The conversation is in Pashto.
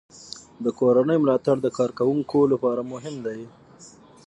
د کورنۍ ملاتړ د کارکوونکو لپاره مهم دی.